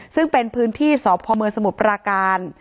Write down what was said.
ซึ่งเป็นพื้นที่สพเมืองสมุทรปราการ